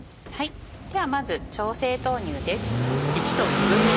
ではまず調製豆乳です。